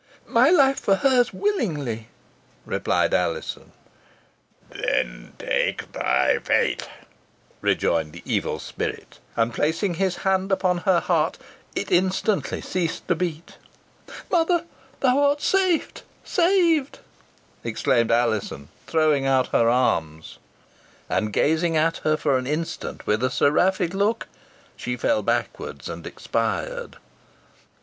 "My life for her's, willingly," replied Alizon. "Then take thy fate," rejoined the evil spirit. And placing his hand upon her heart, it instantly ceased to beat. "Mother, thou art saved saved!" exclaimed Alizon, throwing out her arms. And gazing at her for an instant with a seraphic look, she fell backwards, and expired.